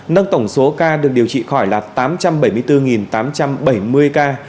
nâng tổng số ca được điều trị khỏi là tám trăm bảy mươi bốn tám trăm bảy mươi ca